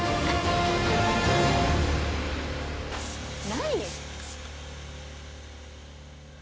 何？